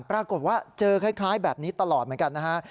ปรากฏว่าเจอคล้ายแบบนี้ตลอดเหมือนกันนะฮะ